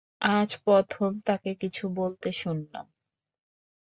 আজ প্রথম তাকে কিছু বলতে শুনলাম।